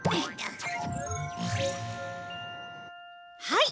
はい。